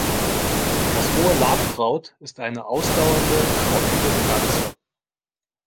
Das Hohe Labkraut ist eine ausdauernde, krautige Pflanze.